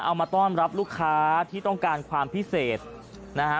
เอามาต้อนรับลูกค้าที่ต้องการความพิเศษนะฮะ